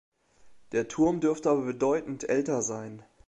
Der Turm dürfte aber bedeutend älter sein.